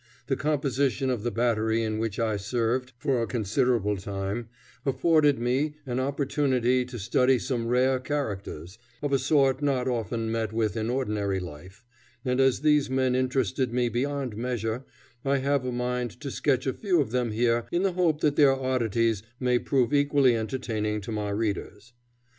The composition of the battery in which I served for a considerable time afforded me an opportunity to study some rare characters, of a sort not often met with in ordinary life, and as these men interested me beyond measure, I have a mind to sketch a few of them here in the hope that their oddities may prove equally entertaining to my readers.